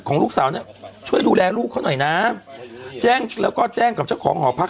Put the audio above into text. ลูกสาวเนี่ยช่วยดูแลลูกเขาหน่อยนะแจ้งแล้วก็แจ้งกับเจ้าของหอพัก